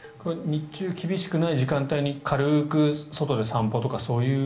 日中厳しくない時間帯に軽く外で散歩とかそういう。